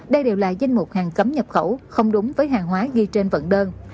đây đều là danh mục hàng cấm nhập khẩu không đúng với hàng hóa ghi trên vận đơn